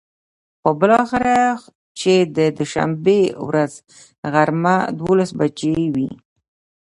خو بلااخره چې د دوشنبې ورځ غرمه ،دولس بچې وې.